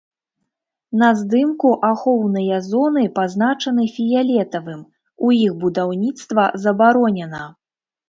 На здымку ахоўныя зоны пазначаны фіялетавым, у іх будаўніцтва забаронена.